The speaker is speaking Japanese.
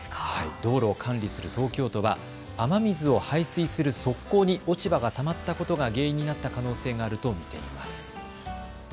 道路を管理する東京都は雨水を排水する側溝に落ち葉がたまったことが原因になった可能性があると見ています。